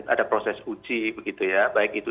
ada proses uji begitu ya baik itu